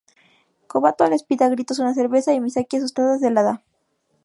Kobato le pide a gritos una cerveza y Misaki asustada se la da.